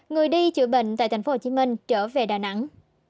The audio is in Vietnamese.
người đi chữa bệnh tại tp hcm trở về đà nẵng